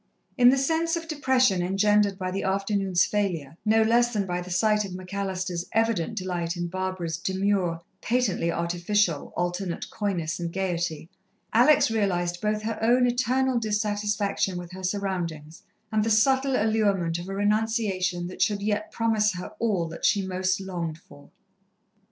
In the sense of depression engendered by the afternoon's failure, no less than by the sight of McAllister's evident delight in Barbara's demure, patently artificial, alternate coyness and gaiety, Alex realized both her own eternal dissatisfaction with her surroundings and the subtle allurement of a renunciation that should yet promise her all that she most longed for.